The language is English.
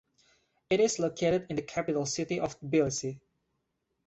It is located in the capital city of Tbilisi.